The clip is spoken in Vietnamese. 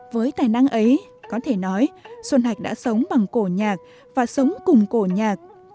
với tài năng ấy có thể nói xuân hạch đã sống bằng cổ nhạc và sống cùng cổ nhạc